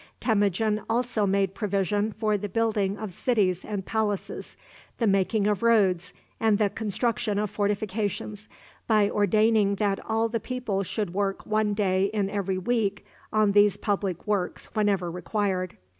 Temujin also made provision for the building of cities and palaces, the making of roads, and the construction of fortifications, by ordaining that all the people should work one day in every week on these public works whenever required.